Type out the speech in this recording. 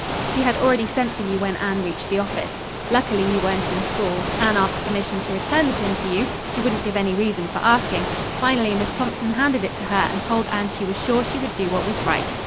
She had already sent for you when Anne reached the office. Luckily you weren't in school. Anne asked permission to return the pin to you. She wouldn't give any reason for asking. Finally Miss Thompson handed it to her, and told Anne she was sure she would do what was right."